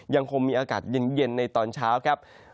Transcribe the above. ยังคงมีอากาศเย็นในตอนเช้าครับ